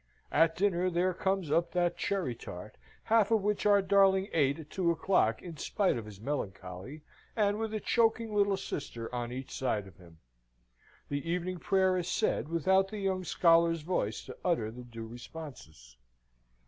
At dinner there comes up that cherry tart, half of which our darling ate at two o'clock in spite of his melancholy, and with a choking little sister on each side of him. The evening prayer is said without that young scholar's voice to utter the due responses.